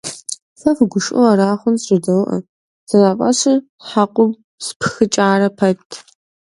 — Фэ фыгушыӀэу ара хъунщ? — жызоӀэ, зэрафӀэщыр хьэкъыу спхыкӀарэ пэт.